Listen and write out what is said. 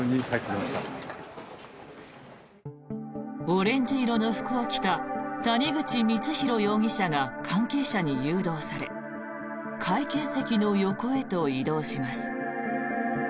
オレンジ色の服を着た谷口光弘容疑者が関係者に誘導され会見席の横へと移動します。